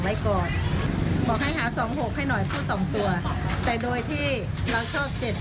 ไว้ก่อนบอกให้หาสองหกให้หน่อยพูดสองตัวแต่โดยที่เราชอบเจ็ด